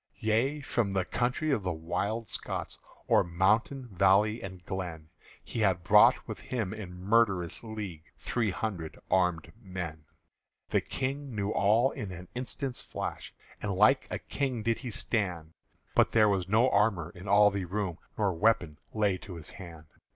Yea, from the country of the Wild Scots, O'er mountain, valley, and glen, He had brought with him in murderous league Three hundred armèd men. The King knew all in an instant's flash, And like a King did he stand; But there was no armour in all the room, Nor weapon lay to his hand.